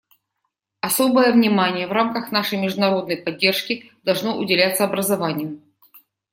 Особое внимание в рамках нашей международной поддержки должно уделяться образованию.